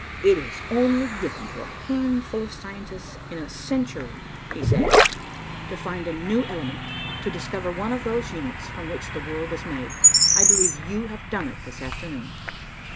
"It is only given to a handful of scientists in a century," he said, "to find a new element, to discover one of those units from which the world is made. I believe you have done it this afternoon."